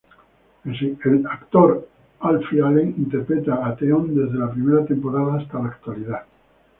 El actor Alfie Allen interpreta a Theon desde la primera temporada hasta la actualidad.